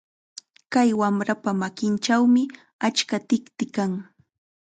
Kay wamrapa makinchawmi achka tikti kan.